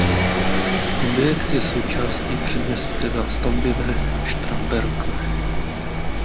Objekt je součástí předměstské zástavby ve Štramberku.